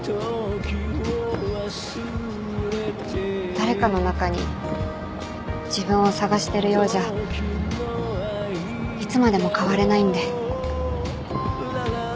誰かの中に自分を探してるようじゃいつまでも変われないんで。